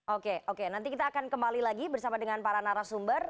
oke oke nanti kita akan kembali lagi bersama dengan para narasumber